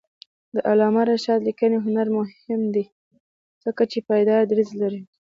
د علامه رشاد لیکنی هنر مهم دی ځکه چې پایدار دریځ لري.